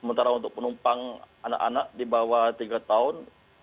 sementara untuk penumpang anak anak di bawah tiga tahun